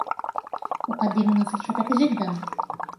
أقدّر نصيحتك جداً.